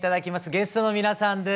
ゲストの皆さんです。